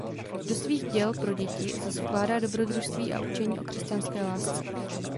Do svých děl pro děti zas vkládá dobrodružství a učení o křesťanské lásce.